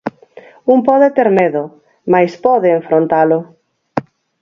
Un pode ter medo, mais pode enfrontalo.